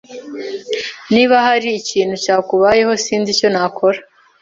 Niba hari ikintu cyakubayeho, sinzi icyo nakora.